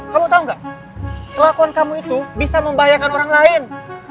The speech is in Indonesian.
kamu tahu nggak kelakuan kamu itu bisa membahayakan orang lain